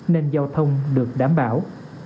nên giao thông được đảm bảo